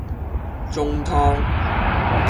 中湯